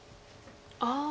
ああ。